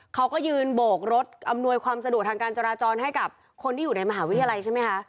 เขาก็ยืนโบกรถอำนวยความสะดวกทางการจราจรให้กับคนที่อยู่ในมหาวิทยาลัยใช่ไหมคะ